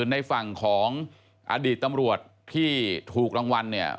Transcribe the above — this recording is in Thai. ในฝั่งของอดีตตำรวจที่ถูกรางวัลเนี่ย